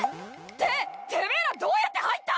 ててめえらどうやって入った！？